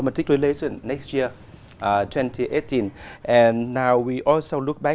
các công ty khác